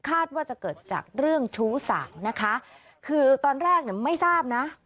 คาดว่าจะเกิดจากเรื่องชู้สาวนะคะคือตอนแรกเนี่ยไม่ทราบนะ